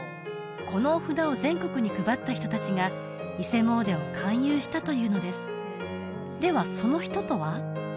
このお札を全国に配った人達が伊勢詣でを勧誘したというのですではその人とは？